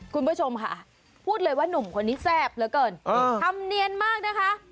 คุณผู้ชมค่ะพูดเลยว่านุ่มคนนี้แซ่บเหลือเกินทำเนียนมากนะคะ